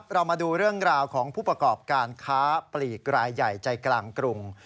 เรามาดูเรื่องราวของผู้ประกอบการค้าปลีกรายใหญ่ใจกลางกรุง